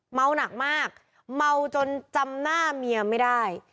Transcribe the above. เมาหนักมากเมาจนจำหน้าเมียไม่ได้